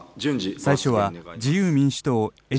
最初は自由民主党、江島